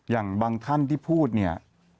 อย่างบางท่านที่พูดเนี่ย